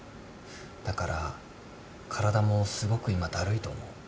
だから体もすごく今だるいと思う。